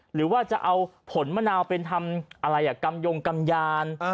หรือว่าจะเอาผลมะนาวไปทำอะไรกำยงกำยาน